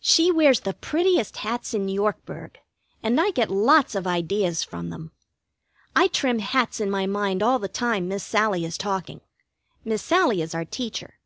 She wears the prettiest hats in Yorkburg, and I get lots of ideas from them. I trim hats in my mind all the time Miss Sallie is talking Miss Sallie is our teacher.